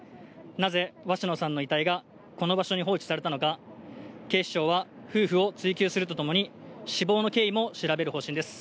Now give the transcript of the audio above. なぜ鷲野さんの遺体がこの場所に放置されたのか、警視庁は夫婦を追及するとともに死亡の経緯も調べる方針です。